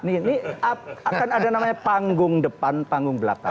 ini akan ada namanya panggung depan panggung belakang